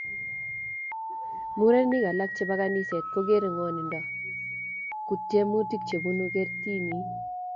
Murenik alam chebo kaniset kogeere ngwonindo ku tyemutik chebunu kertinin